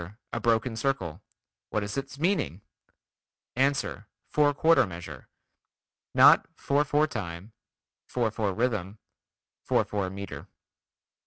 A broken circle. What is its meaning? Ans. Four quarter measure. (Not four four time, four four rhythm, four four meter.)